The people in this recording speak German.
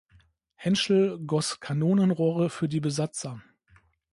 Henschel goss Kanonenrohre für die Besatzer.